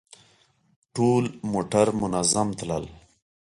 ټول موټر منظم تلل.